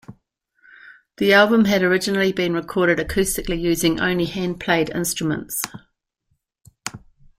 The album had originally been recorded acoustically using only hand-played instruments.